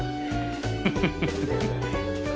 フフフ。